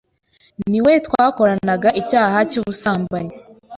ni we twakoranaga icyaha cy’ubusambanyi,